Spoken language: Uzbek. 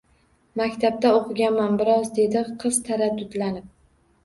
— Maktabda oʼqiganman… bir oz, — dedi qiz taraddudlanib.